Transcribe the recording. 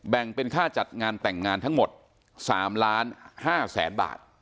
แบ่งเป็นค่าจัดงานแต่งงานทั้งหมด๓ล้าน๕แสนบาท